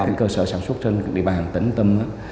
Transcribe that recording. cái cơ sở sản xuất trên địa bàn tỉnh tâm